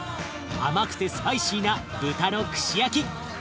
甘くてスパイシーな豚の串焼き。